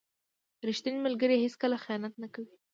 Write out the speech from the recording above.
• ریښتینی ملګری هیڅکله خیانت نه کوي.